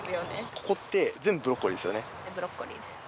ここって全部ブロッコリーですよね？